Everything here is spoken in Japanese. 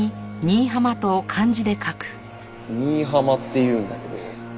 新浜って言うんだけど。